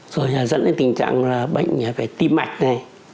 rồi dẫn đến tình trạng bệnh về tim mạch